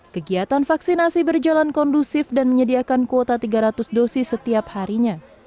kegiatan vaksinasi berjalan kondusif dan menyediakan kuota tiga ratus dosis setiap harinya